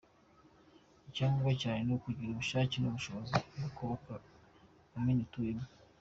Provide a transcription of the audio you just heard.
Icyangombwa cyane ni ukugira ubushake n’ubushobozi mu kubaka komini utuyemo.